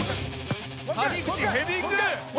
谷口ヘディング！